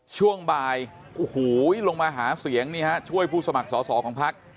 ช่วงบ่ายลงมาหาเสียงช่วยผู้สมัครสอบของพลักษณ์